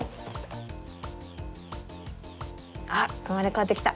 あっうまれかわってきた。